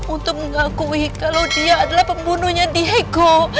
untuk mengakui kalau dia adalah pembunuhnya diego